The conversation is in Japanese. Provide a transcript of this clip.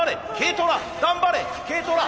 頑張れＫトラ！